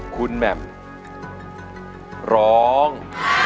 คุณแหม่มร้อง